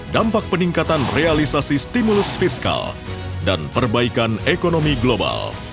dampak peningkatan realisasi stimulus fiskal dan perbaikan ekonomi global